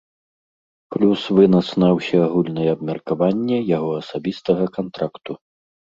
Плюс вынас на ўсеагульнае абмеркаванне яго асабістага кантракту.